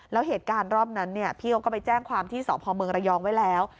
แล้วเหตุการณ์รอบนั้นพี่โอ๊คก็ไปแจ้งความที่สพรยไว้แล้ว